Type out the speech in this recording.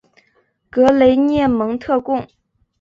格雷涅蒙特贡。